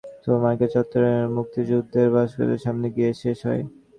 মিছিলটি শহর প্রদক্ষিণ করে সুপারমার্কেট চত্বরের মুক্তিযুদ্ধের ভাস্কর্যের সামনে গিয়ে শেষ হয়।